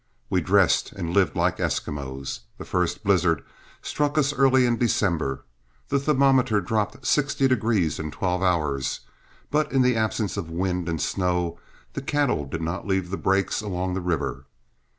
We dressed and lived like Eskimos. The first blizzard struck us early in December, the thermometer dropped sixty degrees in twelve hours, but in the absence of wind and snow the cattle did not leave the breaks along the river.